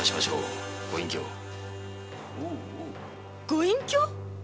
「ご隠居」！？